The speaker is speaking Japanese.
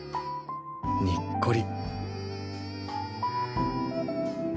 にっこり。